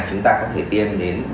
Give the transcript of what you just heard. chúng ta có thể tiêm đến